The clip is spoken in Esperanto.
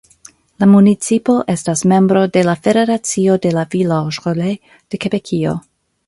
La municipo estas membro de la Federacio de la "Villages-relais" de Kebekio.